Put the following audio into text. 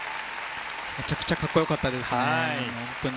めちゃくちゃかっこよかったですね。